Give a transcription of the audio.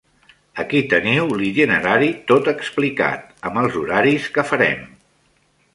Aquí teniu l'itinerari tot explicat, amb els horaris que farem.